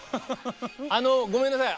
あのごめんなさい